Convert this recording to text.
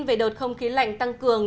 về đợt không khí lạnh tăng cường